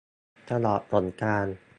ตลอดสงกรานต์ !